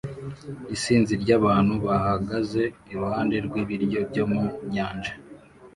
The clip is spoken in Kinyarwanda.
Isinzi ry'abantu bahagaze iruhande rw'ibiryo byo mu nyanja